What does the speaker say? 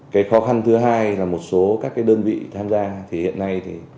cái khó khăn thứ hai là một số các đơn vị tham gia thì hiện nay thì